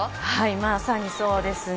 まさにそうですね。